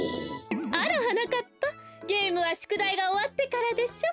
あらはなかっぱゲームはしゅくだいがおわってからでしょ。